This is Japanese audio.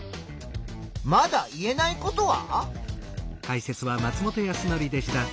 まだ言えないことは？